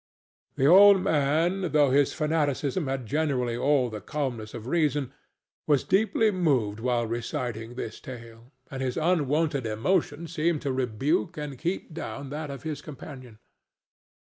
The old man, though his fanaticism had generally all the calmness of reason, was deeply moved while reciting this tale, and his unwonted emotion seemed to rebuke and keep down that of his companion.